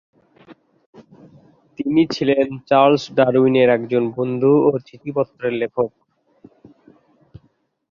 তিনি ছিলেন চার্লস ডারউইনের একজন বন্ধু ও চিঠিপত্রের লেখক।